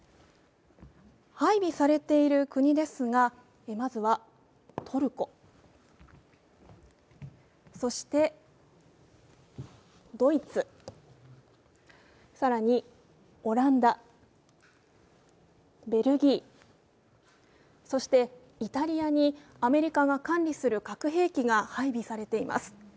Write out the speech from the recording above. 配備されている国ですがまずはトルコ、そしてドイツ、更にオランダ、ベルギー、そしてイタリアにアメリカが管理する核兵器が配備されています。